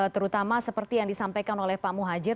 terutama seperti yang disampaikan oleh pak muhajir